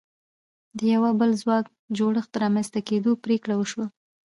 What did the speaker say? د یوه بل ځواکمن جوړښت د رامنځته کېدو پرېکړه وشوه.